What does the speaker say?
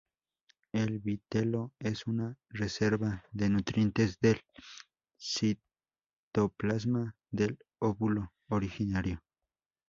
El vitelo es una reserva de nutrientes del citoplasma del óvulo originario.